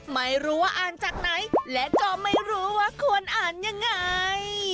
ไม่รู้ว่าอ่านจากไหนและก็ไม่รู้ว่าควรอ่านยังไง